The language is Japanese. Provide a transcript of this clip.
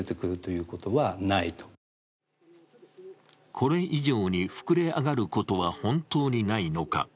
これ以上に膨れ上がることは本当にないのか。